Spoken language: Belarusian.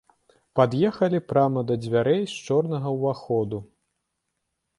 Пад'ехалі прама да дзвярэй з чорнага ўваходу.